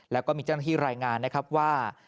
แล้วก็มีเจ้าหน้าที่รายงานนะครับว่า